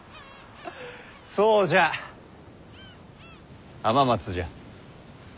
そうじゃ浜松じゃ。